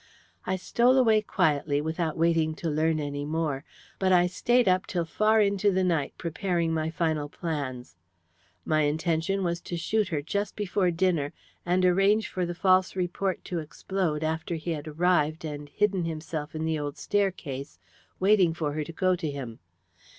"I stole away quietly without waiting to learn any more, but I stayed up till far into the night preparing my final plans. My intention was to shoot her just before dinner, and arrange for the false report to explode after he had arrived and hidden himself in the old staircase, waiting for her to go to him.